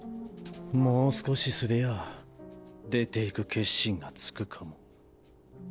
もう少しすりゃ出て行く決心がつくかも。